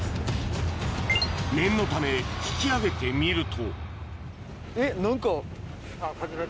念のため引き上げてみるとえっ何か。